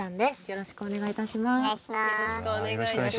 よろしくお願いします。